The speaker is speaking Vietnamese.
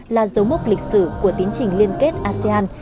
là dấu mốc lịch sử của tiến trình liên kết asean